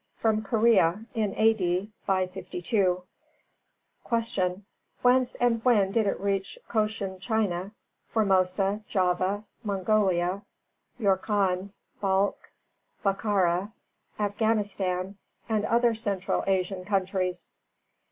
From Korea, in A. D. 552. 309. Q. _Whence and when did it reach Cochin China, Formosa, Java, Mongolia, Yorkand, Balk, Bokhara, Afghanistan and other Central Asian countries?